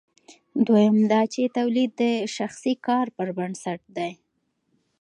دویم دا چې تولید د شخصي کار پر بنسټ دی.